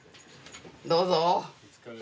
どうぞ！